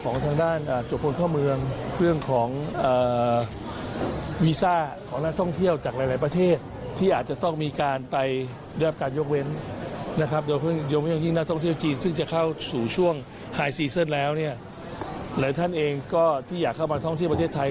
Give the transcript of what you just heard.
ในซีเซินแล้วหลายท่านเองก็ที่อยากเข้ามาท่องเที่ยวประเทศไทย